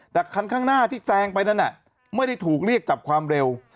แต่คันข้างหน้าที่แซงไปนั้นไม่ได้ถูกเรียกจับความเร็ว